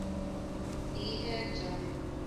دی ہے جایے دہن اس کو دمِ ایجاد ’’ نہیں ‘‘